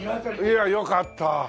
いやよかった。